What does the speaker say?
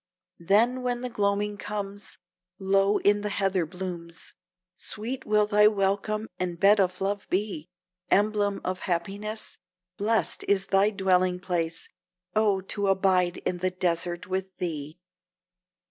Then, when the gloaming comes, Low in the heather blooms, Sweet will thy welcome, and bed of love be! Emblem of happiness, Blest is thy dwelling place Oh, to abide in the desert with thee!